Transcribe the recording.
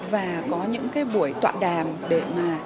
và có những buổi tọa đàm để nâng cao điện ảnh của việt nam